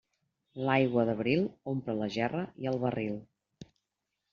L'aigua d'abril omple la gerra i el barril.